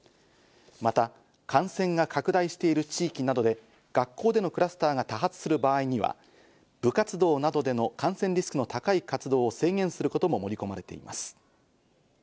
また感染が拡大している地域などで学校でのクラスターが多発する場合には部活動などでの感染リスクの高い活動を制限することも盛り込まれています。